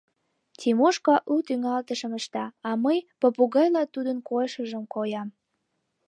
Тимошка у тӱҥалтышым ышта, а мый попугайла тудын койышыжым коям.